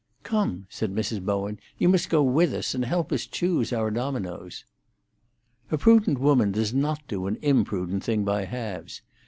"Come," said Mrs. Bowen, "you must go with us and help us choose our dominoes." A prudent woman does not do an imprudent thing by halves.